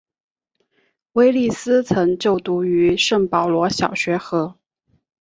威利斯曾就读于圣保罗小学和。